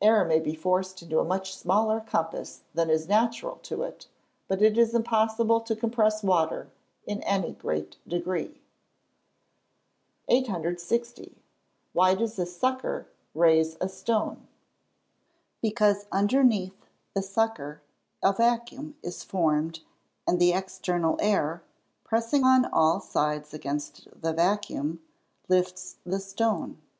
Air may be forced into a much smaller compass than is natural to it; but it is impossible to compress water in any great degree. [Illustration: Fig. 42. "SUCKER."] [Illustration: Fig. 43. HOOP.] 860. Why does a "sucker" raise a stone? Because underneath the sucker a vacuum is formed and the external air, pressing on all sides against the vacuum, lifts the stone.